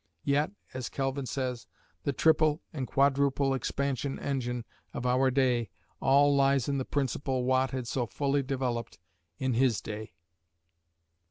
"Yet," as Kelvin says, "the triple and quadruple expansion engine of our day all lies in the principle Watt had so fully developed in his day."